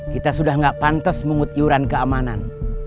kita sudah gak pantes mengut yuran keamanan